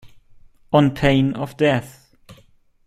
On pain of death.